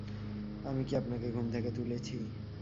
আমি কি আপনাকে ঘুম থেকে তুলেছি?